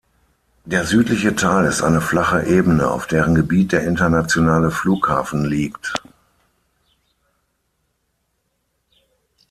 Der südliche Teil ist eine flache Ebene, auf deren Gebiet der internationale Flughafen liegt.